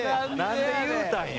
何で言うたんや。